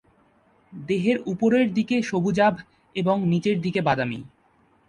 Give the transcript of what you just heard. দেহের উপরের দিক সবুজাভ ও নিচের দিক বাদামী।